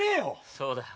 そうだよ